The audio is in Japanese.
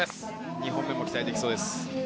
２本目も期待できそうです。